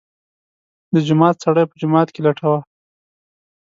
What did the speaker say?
د جومات سړی په جومات کې لټوه.